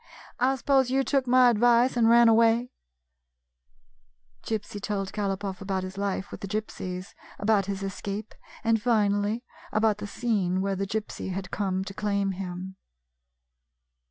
I suppose you took my advice and ran away ?" Gypsy told Galopoff about his life with the Gypsies; about his escape, and finally about the scene where the Gypsy had come to claim him.